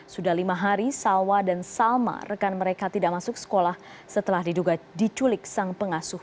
sudah lima hari salwa dan salma rekan mereka tidak masuk sekolah setelah diduga diculik sang pengasuh